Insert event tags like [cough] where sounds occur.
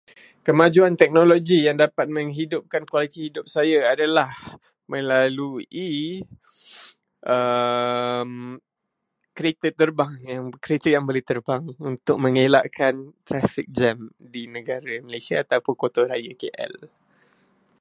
Kemajuan teknologi yang dapat menghidupkan kualiti hidup saya adalah melalui [noise] kereta terbang, kereta yang boleh terbang untuk mengelakkan traffic jam di negara Malaysia atau pun kota raya KL.